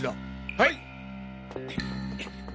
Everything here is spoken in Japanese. はい！